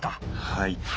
はい。